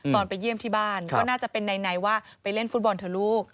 ไปเยี่ยมที่บ้านก็น่าจะเป็นในว่าไปเล่นฟุตบอลเถอะลูก